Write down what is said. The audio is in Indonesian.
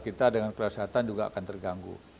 kita dengan kesehatan juga akan terganggu